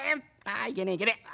あいけねえいけねえあ